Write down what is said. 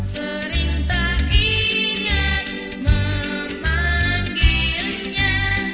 sering tak ingat memanggilnya